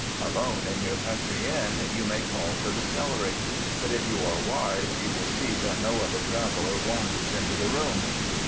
Alone in your country inn you may call for the celery; but if you are wise you will see that no other traveler wanders into the room.